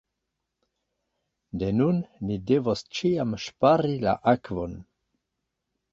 De nun, ni devos ĉiam ŝpari la akvon.